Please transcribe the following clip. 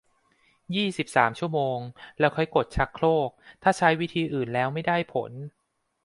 ยี่สิบสาม ชั่วโมง แล้วค่อยกดชักโครก ถ้าใช้วิธีอื่นแล้วไม่ได้ผล